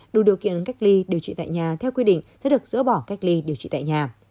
đủ điều kiện cách ly điều trị tại nhà theo quy định sẽ được dỡ bỏ cách ly điều trị tại nhà